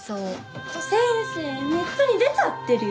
先生ネットに出ちゃってるよ！